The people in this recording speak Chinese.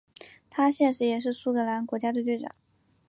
他现时也是苏格兰国家队队长。